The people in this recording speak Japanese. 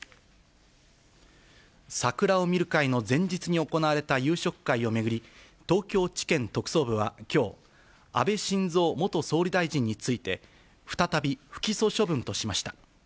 桜を見る会の前日に行われた夕食会を巡り、東京地検特捜部はきょう、安倍晋三元総理大臣について、再び不起訴処分としました。